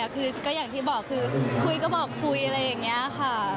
คือก็อย่างที่บอกคือคุยก็บอกคุยอะไรอย่างนี้ค่ะ